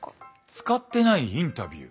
使ってないインタビュー？